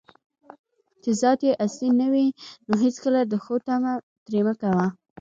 چې ذات یې اصلي نه وي، نو هیڅکله د ښو طمعه ترې مه کوه